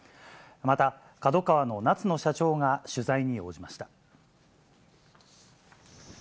またＫＡＤＯＫＡＷＡの夏野社長が取材に応じました。